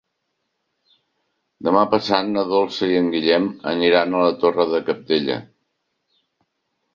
Demà passat na Dolça i en Guillem aniran a la Torre de Cabdella.